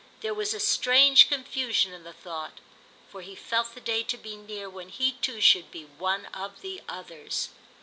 There was a strange confusion in the thought, for he felt the day to be near when he too should be one of the Others.